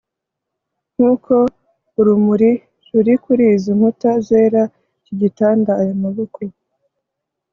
nkuko urumuri ruri kuri izi nkuta zera, iki gitanda, aya maboko